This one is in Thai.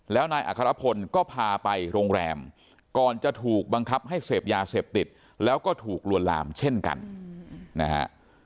แล้วนายอัครพลก็พาไปโรงแรมก่อนจะถูกบังคับให้เสพยาเสพติดแล้วก็ถูกลวนลามเช่นกันนะฮะ